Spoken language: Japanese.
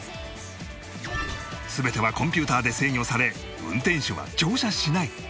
全てはコンピューターで制御され運転手は乗車しない